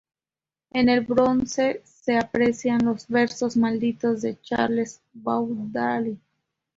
En el bronce se aprecian los ≪versos malditos≫ de Charles Baudelaire.